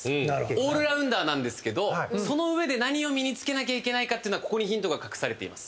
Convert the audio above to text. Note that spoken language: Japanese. オールラウンダーなんですけどそのうえで何を身に付けなきゃいけないかっていうのはここにヒントが隠されています。